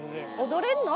踊れんの？